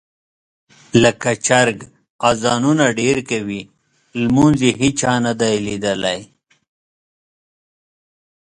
لکه چرګ اذانونه ډېر کوي، لمونځ یې هېچا نه دي لیدلی.